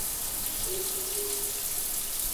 Ehumemi.